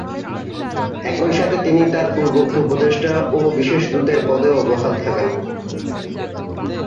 একই সাথে তিনি তার পূর্বোক্ত উপদেষ্টা ও বিশেষ দূতের পদেও বহাল থাকেন।